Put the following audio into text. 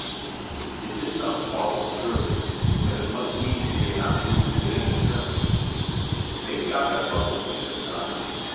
It did not follow, surely, that it must needs be an absolutely vain attempt. Maybe I had luck with me this time.